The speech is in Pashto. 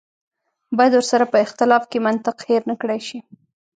باید ورسره په اختلاف کې منطق هېر نه کړای شي.